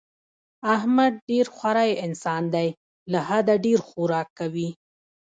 احمد ډېر خوری انسان دی، له حده ډېر خوراک کوي.